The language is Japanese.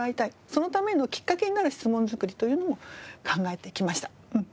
そのためのきっかけになる質問作りというのも考えてきました。